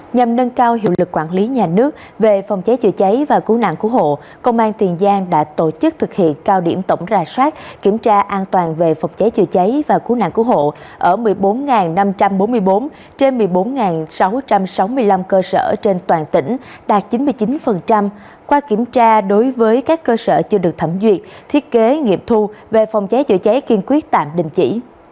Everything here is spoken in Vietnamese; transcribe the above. nhằm nâng cao hiệu lực quản lý nhà nước về phòng cháy chữa cháy và cứu nạn cứu hộ công an tiền giang đã tổ chức thực hiện cao điểm tổng ra soát kiểm tra an toàn về phòng cháy chữa cháy và cứu nạn cứu hộ ở một mươi bốn năm trăm bốn mươi bốn trên một mươi bốn sáu trăm sáu mươi năm cơ sở trên toàn tỉnh đạt chín mươi chín qua kiểm tra đối với các cơ sở chưa được thẩm duyệt thiết kế nghiệp thu về phòng cháy chữa cháy kiên quyết tạm đình chỉ